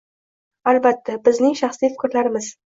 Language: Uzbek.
albatta, bizning shaxsiy fikrlarimiz.